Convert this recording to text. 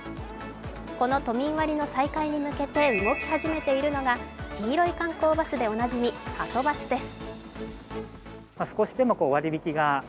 この都民割の再開に向けて動き始めているのが黄色い観光バスでおなじみ、はとバスです。